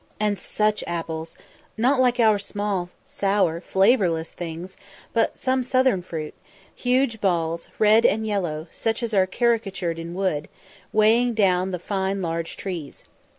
And such apples! not like our small, sour, flavourless things, but like some southern fruit; huge balls, red and yellow, such as are caricatured in wood, weighing down the fine large trees.